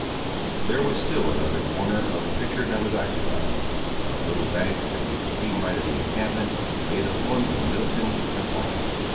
There was still another corner of the picture that was occupied. On a little bank, at the extreme right of the encampment, lay the forms of Middleton and Paul.